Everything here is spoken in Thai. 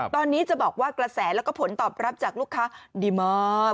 ตอนนี้จะบอกว่ากระแสแล้วก็ผลตอบรับจากลูกค้าดีมาก